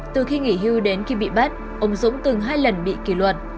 từ khi nghỉ hưu đến khi bị bắt ông dũng từng hai lần bị kỷ luật